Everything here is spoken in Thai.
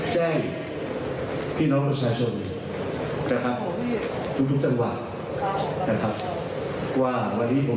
แจ้งพี่น้องประชาชนนะครับของทุกจังหวัดนะครับว่าวันนี้ผม